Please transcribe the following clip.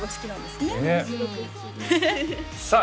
すごく好きですさあ